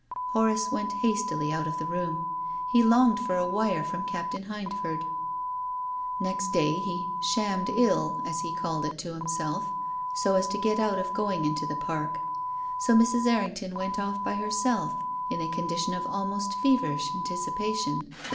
Horace went hastily out of the room. He longed for a wire from Captain Hindford. Next day he " shammed ill," as he called it to himself, so as to got out of going into the Park. So Mrs. Errington went off by herself in a condition of almost feverish anticipation.